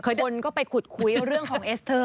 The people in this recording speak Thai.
บนก็ไปขุดคุยเรื่องของเอสเตอร์